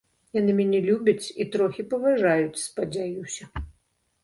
Яны мяне любяць, і трохі паважаюць, спадзяюся.